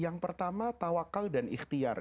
yang pertama tawakal dan ikhtiar